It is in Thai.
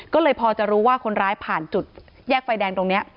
ก็เลยพอจะรู้ว่าคนร้ายผ่านจุดแยกไฟแดงตรงนี้